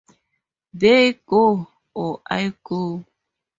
"They" go or "I" go!